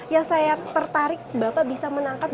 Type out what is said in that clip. yang saya tertarik bapak bisa menangkap